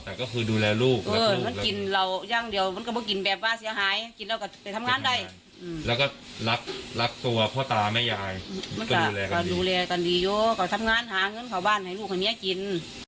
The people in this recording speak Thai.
มันจะดูแลกันดีโยะก่อนทำงานหาเงินเข้าบ้านให้ลูกคนนี้กิน